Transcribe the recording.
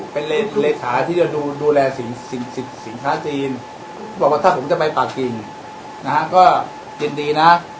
เป็นเลขาที่จะดูแลสินค้าจีนเขาบอกว่าถ้าผมจะไปปากกิ่งนะฮะก็ยินดีนะ